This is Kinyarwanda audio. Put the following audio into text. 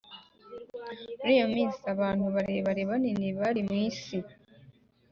Muri iyo minsi abantu barebare banini bari mu isi